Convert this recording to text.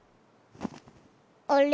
あれ？